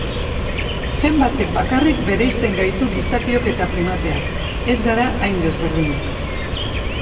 Gen batek bakarrik bereizten gaitu gizakiok eta primateak, ez gara hain desberdinak.